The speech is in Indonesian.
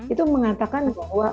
itu mengatakan bahwa